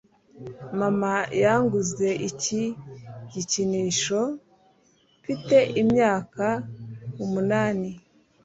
mama yanguze iki gikinisho mfite imyaka umunani